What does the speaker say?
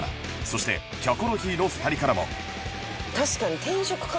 そして『キョコロヒー』の２人からも